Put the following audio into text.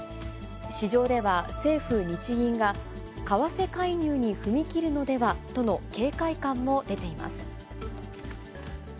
市場では、政府・日銀が為替介入に踏み切るのではとの警戒感も出ています。